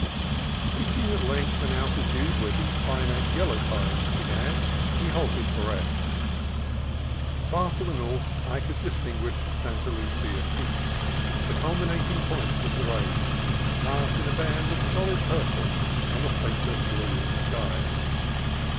Reaching at length an altitude where the finer yellow pines began, we halted for rest. Far to the north I could distinguish Santa Lucia Peak, the culminating point of the range, cut in a band of solid purple on the fainter blue of the sky.